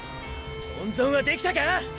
温存はできたかぁ